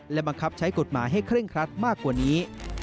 และบังคับใช้กฎหมายให้เคร่งครัดมากกว่านี้